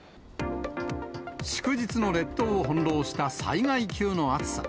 祝日の列島を翻弄した災害級の暑さ。